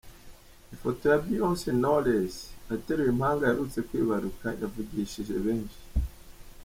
Ifoto ya Beyoncé Knowless ateruye impanga aherutse kwibaruka yavugishyije benshi.